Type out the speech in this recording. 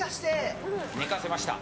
寝かせました。